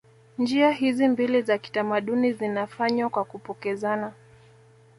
Njia hizi mbili za kitamaduni zinafanywa kwa kupokezana